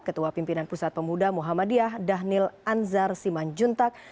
ketua pimpinan pusat pemuda muhammadiyah dhanil anzar siman juntak